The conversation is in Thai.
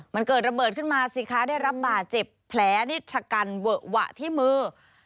มันเกิดระเบิดขึ้นมาสิคะได้รับบาดเจ็บแผลนี่ชะกันเวอะหวะที่มือ